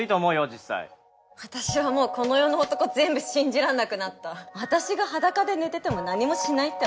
実際私はもうこの世の男全部信じらんなくなった私が裸で寝てても何もしないってわけ？